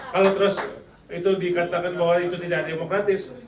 kalau terus itu dikatakan bahwa itu tidak demokratis